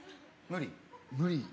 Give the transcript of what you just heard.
無理？